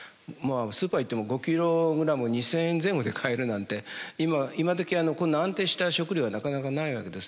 スーパー行っても５キログラム２，０００円前後で買えるなんて今どきこんな安定した食料はなかなかないわけです。